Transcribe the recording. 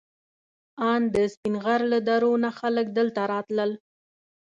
ان د سپین غر له درو نه خلک دلته راتلل.